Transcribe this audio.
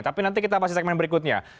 tapi nanti kita pasti segmen berikutnya